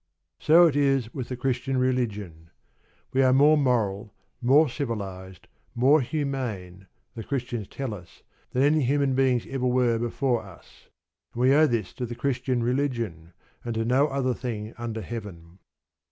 So it is with the Christian religion. We are more moral, more civilised, more humane, the Christians tell us, than any human beings ever were before us. And we owe this to the Christian religion, and to no other thing under Heaven.